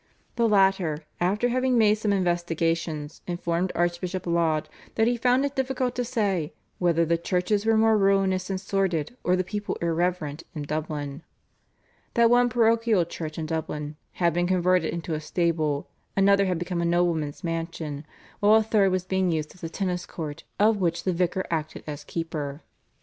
The latter, after having made some investigations, informed Archbishop Laud that he found it difficult to say "whether the churches were more ruinous and sordid or the people irreverent in Dublin," that one parochial church in Dublin had been converted into a stable, another had become a nobleman's mansion, while a third was being used as a tennis court, of which the vicar acted as keeper.